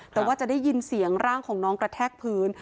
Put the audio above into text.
แต่ว่าจะได้ยินเสียงร่างของน้องกระแทกพื้น